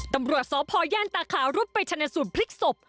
ตำรวจสพย่านตาขาวรุดไปชนะสูตรพลิกศพ